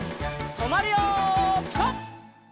とまるよピタ！